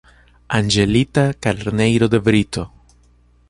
Angelita Carneiro de Brito